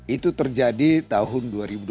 itu terjadi tahun dua ribu dua puluh